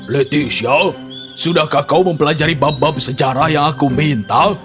leticia sudahkah kau mempelajari bab bab sejarah yang aku minta